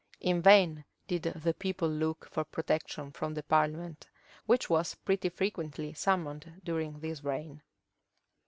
In vain did the people look for protection from the parliament, which was pretty frequently summoned during this reign.